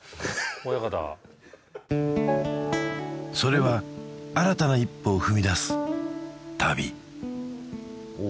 親方それは新たな一歩を踏み出す旅